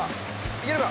いけるか。